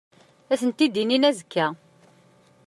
Ad sent-d-inin azekka.